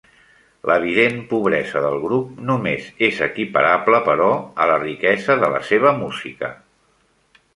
L'evident pobresa del grup només és equiparable, però, a la riquesa de la seva música.